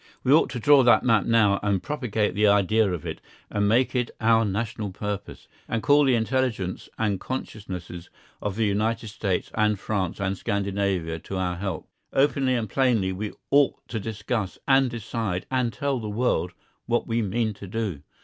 We ought to draw that map now, and propagate the idea of it, and make it our national purpose, and call the intelligence and consciences of the United States and France and Scandinavia to our help. Openly and plainly we ought to discuss and decide and tell the world what we mean to do.